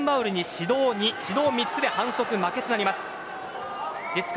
２指導３つで反則負けとなります。